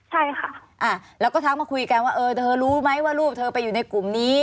ใช่ค่ะแล้วก็ทักมาคุยกันว่าเออเธอรู้ไหมว่าลูกเธอไปอยู่ในกลุ่มนี้